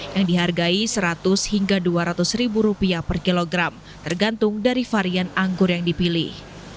yang dihargai seratus hingga dua ratus ribu rupiah per kilogram tergantung dari varian anggur yang dipilih